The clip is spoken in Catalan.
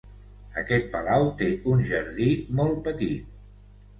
Aquest palau té un jardí molt petit.